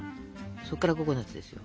そっからココナツですよ。